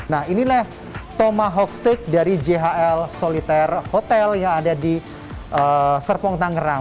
nah inilah tomahawk steak dari jhl solitaire hotel yang ada di serpong tangerang